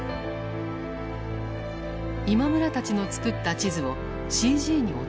今村たちの作った地図をＣＧに落とし込んでみた。